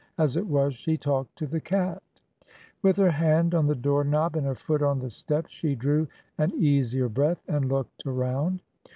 As it was, she talked to the cat. With her hand on the door knob and her foot on the step, she drew an easier breath and looked around.